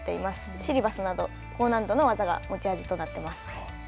シリバスなど、高難度の技が持ち味となっています。